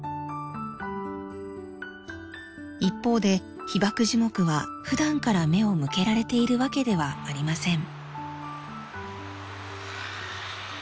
一方で被爆樹木は普段から目を向けられているわけではありません。